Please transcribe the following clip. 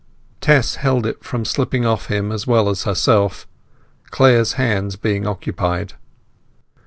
Tess held it from slipping off him as well as herself, Clare's hands being occupied.